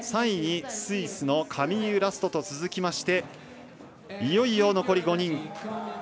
３位にスイスのカミーユ・ラストと続きましていよいよ残り５人。